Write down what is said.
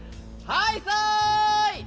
ハイサイ！